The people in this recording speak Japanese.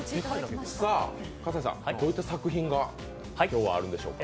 さあ、葛西さん、どういった作品があるんでしょうか？